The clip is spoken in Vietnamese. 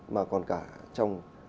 mà còn cả trong